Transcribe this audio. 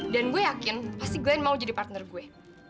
dan gua yakin pasti glenn mau jadi partner gue